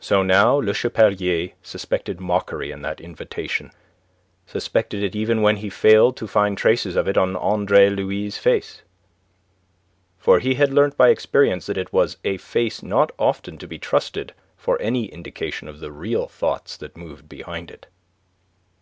So now Le Chapelier suspected mockery in that invitation, suspected it even when he failed to find traces of it on Andre Louis' face, for he had learnt by experience that it was a face not often to be trusted for an indication of the real thoughts that moved behind it.